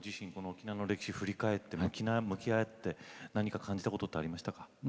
沖縄の歴史を振り返って沖縄に向き合って何か感じたことってありましたか？